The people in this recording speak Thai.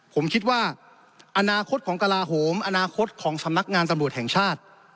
ผมคิดว่าอนาคตของกระลาโหมอนาคตของสำนักงานตำรวจแห่งชาติ